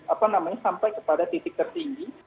apa namanya sampai kepada titik tertinggi